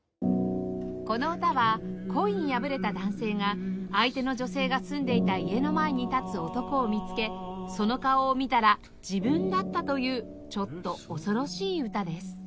この歌は恋に破れた男性が相手の女性が住んでいた家の前に立つ男を見つけその顔を見たら自分だったというちょっと恐ろしい歌です